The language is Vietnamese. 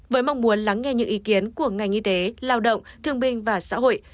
với mong muốn lắng nghe những ý kiến của ngành y tế lao động thương binh và xã hội